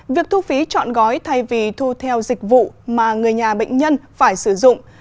việc thu phí chọn gói thay vì thu theo dịch vụ mà người nhà bệnh nhân phải sử dụng